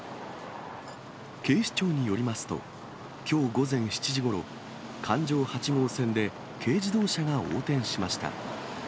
警視庁によりますと、きょう午前７時ごろ、環状８号線で軽自動車が横転しました。